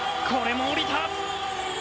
これも降りた。